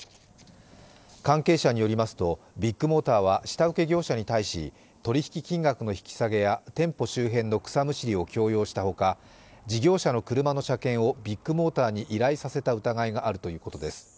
関係者によりますとビッグモーターは下請け業者に対し取り引き金額の引き下げや店舗周辺の草むしりを強要したほか、事業者の車の車検をビッグモーターに依頼させた疑いがあるということです。